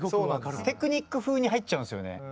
テクニックふうに入っちゃうんですよね。